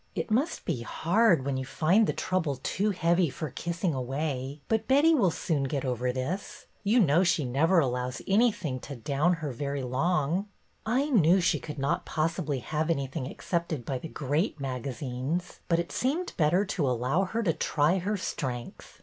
'' It must be hard when you find the trouble too heavy for kissing away, but Betty will soon get over this. You know she never allows any thing to ' down ' her very long." '' I knew she could not possibly have anything accepted by the great magazines, but it seemed better to allow her to try her strength.